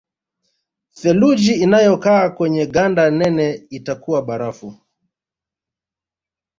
Theluji inayokaa kwenye ganda nene itakuwa barafu